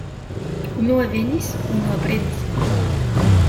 Unua venis, unua prenis.